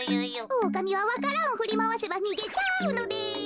おおかみはわか蘭をふりまわせばにげちゃうのです。